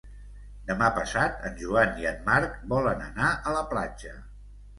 Demà passat en Joan i en Marc volen anar a la platja.